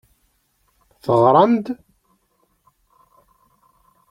Teɣram-d?